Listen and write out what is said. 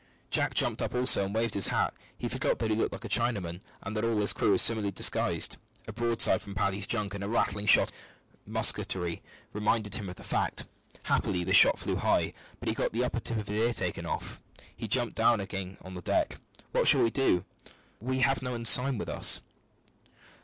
Jack jumped up also and waved his hat. He forgot that he looked like a Chinaman, and that all his crew were similarly disguised. A broadside from Paddy's junk, and a rattling fire of musketry reminded him of the fact. Happily the shot flew high, but he got the upper tip of his ear taken off. He jumped down again on the deck. "What shall we do? We've no ensign with us.